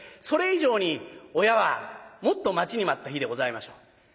それ以上に親はもっと待ちに待った日でございましょう。